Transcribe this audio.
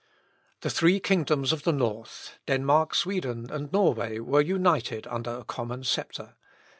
The three kingdoms of the North, Denmark, Sweden, and Norway, were united under a common sceptre.